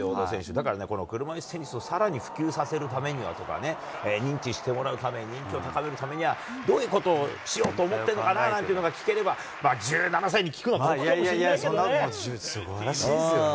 だからこの車いすテニスをさらに普及させるためにはとかね、認知してもらうために、人気を高めるためには、どういうことをしようと思ってるのかななんて聞ければ、１７歳に聞くのも酷かもしれないけどね。